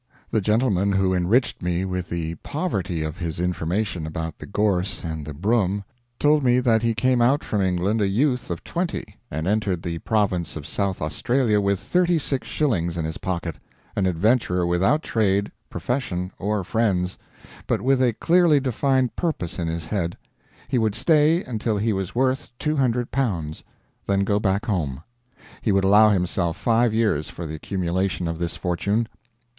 The gentleman who enriched me with the poverty of his information about the gorse and the broom told me that he came out from England a youth of twenty and entered the Province of South Australia with thirty six shillings in his pocket an adventurer without trade, profession, or friends, but with a clearly defined purpose in his head: he would stay until he was worth L200, then go back home. He would allow himself five years for the accumulation of this fortune.